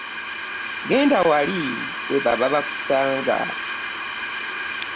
Genda wali we baba bakusanga.